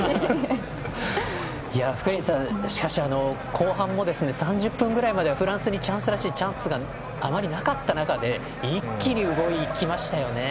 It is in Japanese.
福西さん、しかし後半も３０分くらいまではフランスにチャンスらしいチャンスがあまりなかった中で一気に動きましたね。